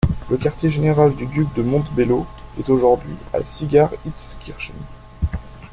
Le quartier-général du duc de Montebello est aujourd'hui à Sigarhiztzkirchen.